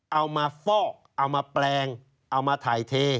เอามาฟอกเอามาแปลงเอามาถ่ายเท